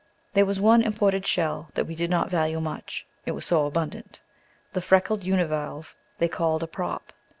There was one imported shell that we did not value much, it was so abundant the freckled univalve they called a "prop."